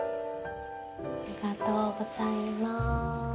ありがとうございます。